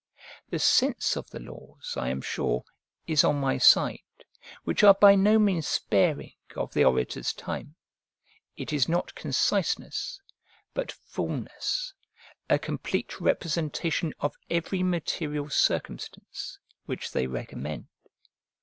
The sense of the laws, I am sure, is on my side, which are by no means sparing of the orator's time; it is not conciseness, but fulness, a complete representation of every material circumstance, which they recommend.